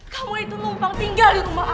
kamu itu lumpang tinggal di rumah aku